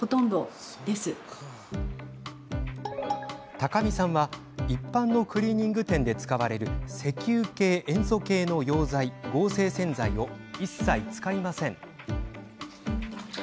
高見さんは一般のクリーニング店で使われる石油系、塩素系の溶剤合成洗剤を一切使いません。